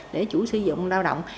để chủ sử dụng lao động